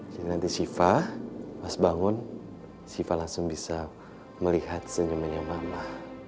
jadi nanti siva pas bangun siva langsung bisa melihat senyumnya mama